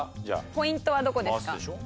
ポイントはどこですか？